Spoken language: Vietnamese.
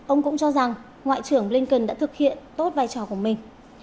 ông cũng cho rằng ngoại trưởng blinken đã thực hiện tốt vai trò của mình